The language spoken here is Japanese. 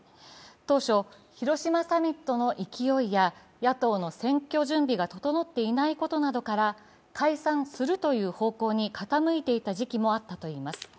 当初、広島サミットの勢いや野党の選挙準備が整っていないことなどから、解散するという方向に傾いていた時期もあったといいます。